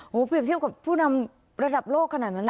เปรียบเทียบกับผู้นำระดับโลกขนาดนั้นล่ะ